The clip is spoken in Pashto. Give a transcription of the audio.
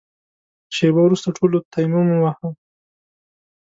شېبه وروسته ټولو تيمم وواهه.